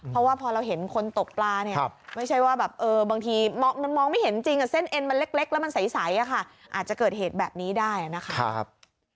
เพราะว่าพอเราเห็นคนตกปลาเนี่ยไม่ใช่ว่าแบบบางทีมันมองไม่เห็นจริงเส้นเอ็นมันเล็กแล้วมันใสอาจจะเกิดเหตุแบบนี้ได้นะครับ